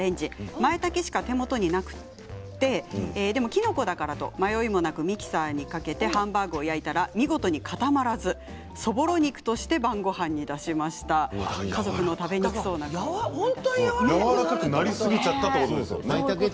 まいたけしか手元になくでも、きのこだからと迷いもなくミキサーにかけてハンバーグに入れたら固まらずそぼろ肉として本当にやわらかくなると。